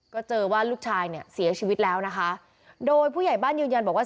ก็เจอว่าลูกชายเนี่ยเสียชีวิตแล้วนะคะโดยผู้ใหญ่บ้านยืนยันบอกว่า